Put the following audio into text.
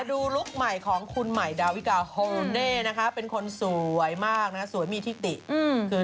ดูลุคใหม่ของคุณหมายดาวิกาโฮเน่เป็นคนสวยมากสวยมีอีทิติ